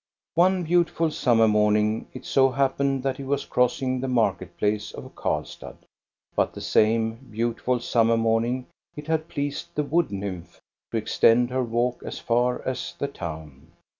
One beautiful summer morning it so happened that he was crossing the market place of Karlstad. But that same beautiful summer morning it had pleased the wood nymph to extend her walk as far as the town.